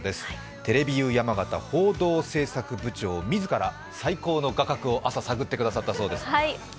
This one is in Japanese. テレビユー山形報道制作部長自ら最高の画角を朝探ってくださったそうです。